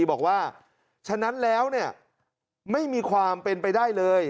บอกว่าฉะนั้นแล้วไม่มีความเป็นไปได้เลย